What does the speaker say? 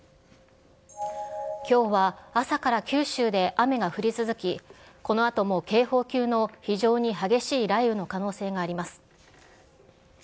きょうは朝から九州で雨が降り続き、このあとも警報級の非常に激しい雷雨の可能性があります。